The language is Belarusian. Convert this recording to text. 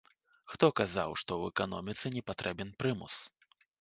Хто казаў, што ў эканоміцы не патрэбен прымус?